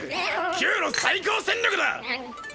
「Ｑ」の最高戦力だ！